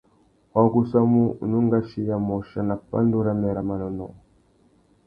Wa gussamú undú ngʼachiya môchia nà pandú râmê râ manônôh.